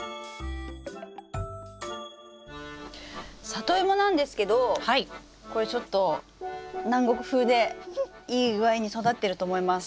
サトイモなんですけどこれちょっと南国風でいい具合に育ってると思います。